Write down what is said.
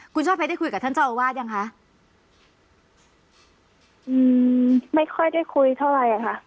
คุณช่อเพชรได้คุยกับท่านเจ้าอาวาสยังคะอืมไม่ค่อยได้คุยเท่าไหร่ค่ะ